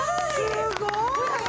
すごい！